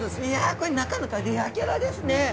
これなかなかレアキャラですね！